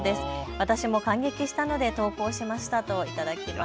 私も感激したので投稿しましたと頂きました。